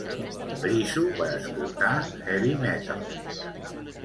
Friso per escoltar heavy metal.